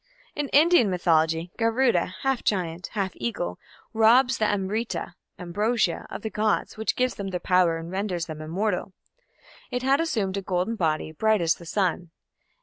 _ In Indian mythology, Garuda, half giant, half eagle, robs the Amrita (ambrosia) of the gods which gives them their power and renders them immortal. It had assumed a golden body, bright as the sun.